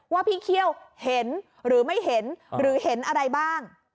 ว่าพี่เคี่ยวเห็นหรือไม่เห็นหรือเห็นอะไรบ้าง